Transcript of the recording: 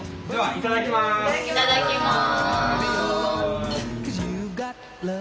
いただきます。